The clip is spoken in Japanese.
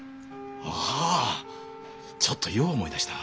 あっちょっと用を思い出した。